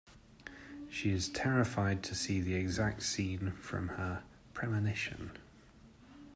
She is terrified to see the exact scene from her "premonition".